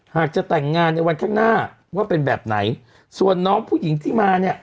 หากจะแต่งงานในวันข้างหน้าว่าเป็นแบบไหนส่วนน้องผู้หญิงที่มาเนี่ย